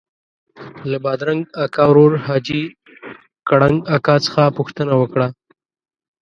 له بادرنګ اکا ورور حاجي کړنګ اکا څخه پوښتنه وکړه.